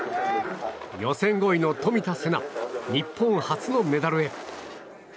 予選５位の冨田せな日本初のメダルへ。